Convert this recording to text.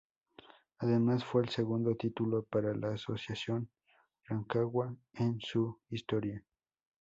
Además fue el segundo título para la Asociación Rancagua en su historia.